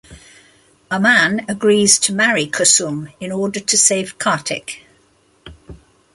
Aman agrees to marry Kusum in order to save Kartik.